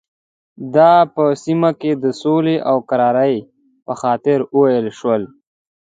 دا په سیمه کې د سولې او کرارۍ په خاطر وویل شول.